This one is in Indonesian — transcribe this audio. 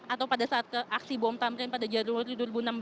atau pada saat aksi bom tamrin pada januari dua ribu enam belas